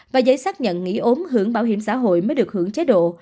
và giấy xác nhận nghỉ ốm hưởng bảo hiểm xã hội mới được hưởng chế độ